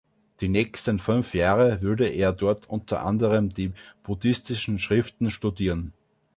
Die nächsten fünf Jahre würde er dort unter anderem die buddhistischen Schriften studieren.